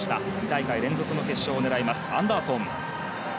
２大会連続の決勝を狙うアンダーソン。